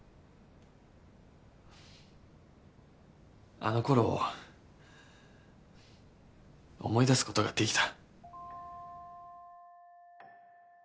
あのころを思い出すことができた。